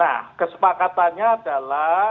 nah kesepakatannya adalah